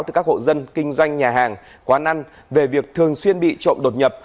từ các hộ dân kinh doanh nhà hàng quán ăn về việc thường xuyên bị trộm đột nhập